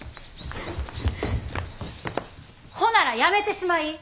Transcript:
ほならやめてしまい！